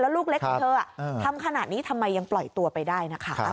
ลูกเล็กของเธอทำขนาดนี้ทำไมยังปล่อยตัวไปได้นะคะ